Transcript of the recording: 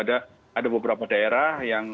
ada beberapa daerah yang